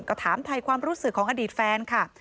ก็ถามไทยความรู้สึกของอดีตแฟนค่ะ